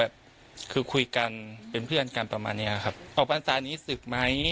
แต่ว่าคือคุยกันเป็นเพื่อนกันประมาณนี้ออกปราณสารนี้สืบไหม